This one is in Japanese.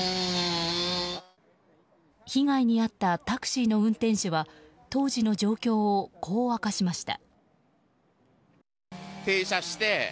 被害に遭ったタクシーの運転手は当時の状況をこう明かしました。